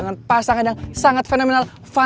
pak kita ke jalan selayar ya